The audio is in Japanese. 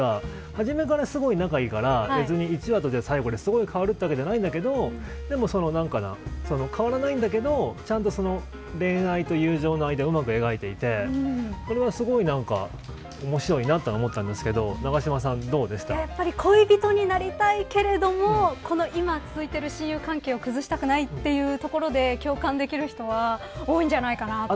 初めから、すごい仲いいから別に１話と最後ですごい変わるわけじゃないんだけどでも、変わらないんだけどちゃんと恋愛と友情の間をうまく描いていてこれは、すごい面白いなとは思ったんですけど恋人になりたいけれども今続いてる親友関係を崩したくないというところで共感できる人は多いんじゃないかなと。